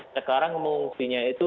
sekarang mengungsinya itu